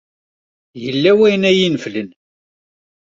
Yella wayen ay ineflen.